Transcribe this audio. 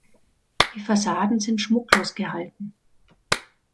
Die Fassaden sind schmucklos gehalten.